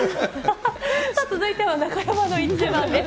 続いては中山のイチバンです。